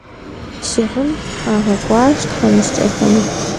Си гъын къагъэкӀуащ тхьэмыщкӀэхэм.